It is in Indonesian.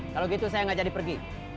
kalau gitu saya nggak jadi pergi